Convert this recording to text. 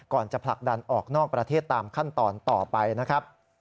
จะผลักดันออกนอกประเทศตามขั้นตอนต่อไปนะครับ